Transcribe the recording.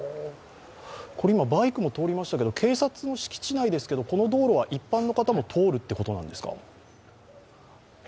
バイクも通りましたけど、警察の敷地内ですけどこの道路は一般の人も通るということですか。